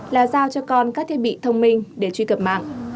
là giao cho con các thiết bị thông minh để truy cập mạng